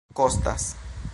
kostas